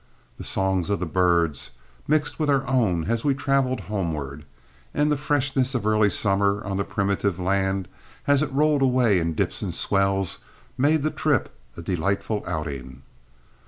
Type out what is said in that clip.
The songs of the birds mixed with our own as we traveled homeward, and the freshness of early summer on the primitive land, as it rolled away in dips and swells, made the trip a delightful outing.